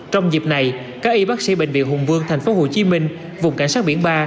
trong dịp này các y bác sĩ bệnh viện hùng vương thành phố hồ chí minh vùng cảnh sát biển ba